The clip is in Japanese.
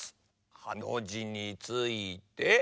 ハのじについて。